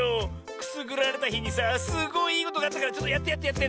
くすぐられたひにさすごいいいことがあったからやってやってやって！